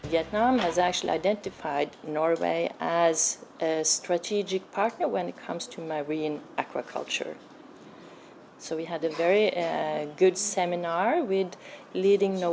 việt nam đã thực sự nhận thức nghệ quốc như một cộng đồng đối tượng quan trọng với văn hóa văn hóa sản phẩm